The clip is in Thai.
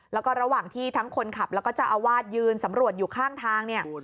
แล้วก็ระหว่างที่ทั้งคนขับแล้วก็เจ้าอาวาสยืนสำรวจอยู่ข้างทางเนี่ย